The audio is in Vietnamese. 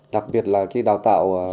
đặc biệt là đào tạo